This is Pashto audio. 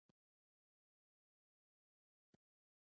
سیلانی ځایونه د افغانانو ژوند اغېزمن کوي.